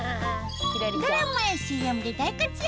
ドラマやＣＭで大活躍！